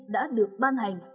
đã được ban hành